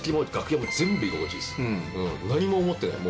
何も思ってない。